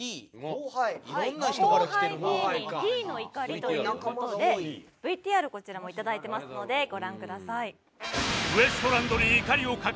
「後輩芸人Ｔの怒り」という事でＶＴＲこちらも頂いてますのでご覧ください。